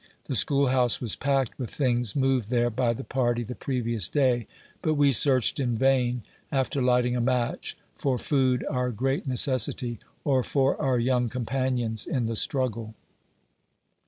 The school house was packed with things moved there by the party the previous day, but 'Wo 52 A VOICE FROM HABPEb'S FERRY. searched in vain, after lighting a match, for food, our great necessity, or for our young companions in the struggle.